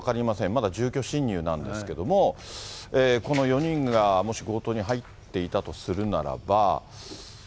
まだ住居侵入なんですけれども、この４人がもし強盗に入っていたとするならば。